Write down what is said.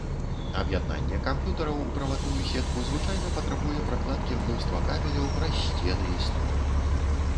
Аб'яднанне камп'ютараў у правадную сетку звычайна патрабуе пракладкі мноства кабеляў праз сцены і столі.